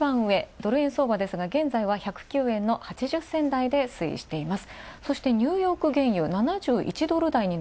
ドル円相場、現在１０９円の８０銭台で推移しています